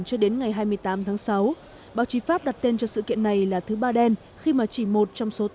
cho đến ngày hai mươi tám tháng sáu báo chí pháp đặt tên cho sự kiện này là thứ ba đen khi mà chỉ một trong số